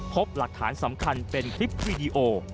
พบหลักฐานสำคัญเป็นคลิปวีดีโอ